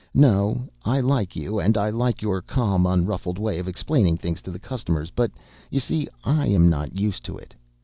No; I like you, and I like your calm unruffled way of explaining things to the customers, but you see I am not used to it.